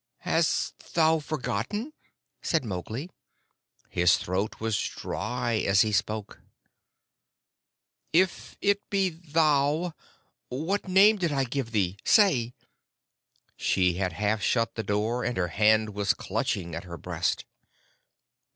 "Hast thou forgotten?" said Mowgli. His throat was dry as he spoke. "If it be thou, what name did I give thee? Say!" She had half shut the door, and her hand was clutching at her breast.